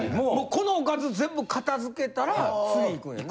このおかず全部片づけたら次行くんやな。